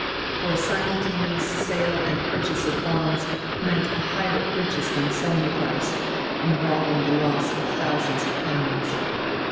For a simultaneous sale and purchase of bonds meant a higher purchase than selling price, involving the loss of thousands of pounds.